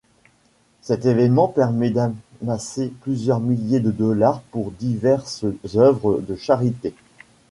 Cet événement permet d'amasser plusieurs milliers de dollars pour diverses œuvres de charité.